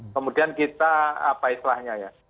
kemudian kita apa istilahnya ya